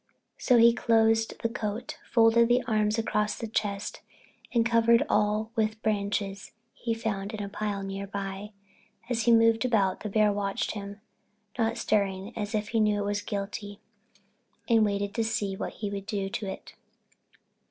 '" So he closed the coat, folded the arms across the chest and covered all with branches he found in a pile near by. As he moved about the bear watched him, not stirring, as if it knew it was guilty and was waiting to see what he would do to it.